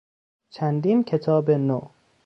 چندین کتاب نو